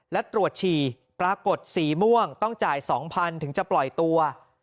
และตรวจฉี่ปรากฏสีม่วงต้องจ่าย๒๐๐๐ถึงจะปล่อยตัว